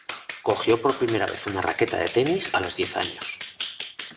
Cogió por primera vez una raqueta de tenis a los diez años.